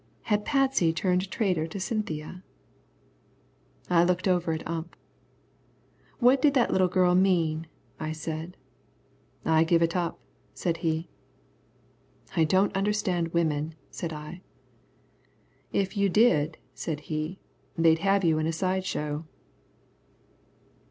Had Patsy turned traitor to Cynthia? I looked over at Ump. "What did that little girl mean?" I said. "I give it up," said he. "I don't understand women," said I. "If you did," said he, "they'd have you in a side show."